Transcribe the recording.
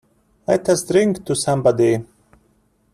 Let us drink to somebody.